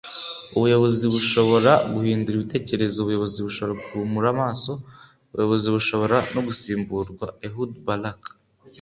ubuyobozi bushobora guhindura ibitekerezo; ubuyobozi bushobora guhumura amaso. ubuyobozi bushobora no gusimburwa. - ehud barak